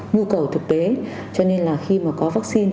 nhu cầu thực tế cho nên là khi mà có vaccine